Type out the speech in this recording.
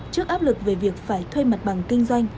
trước áp lực về việc phải thuê mặt bằng kinh doanh